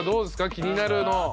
気になるの。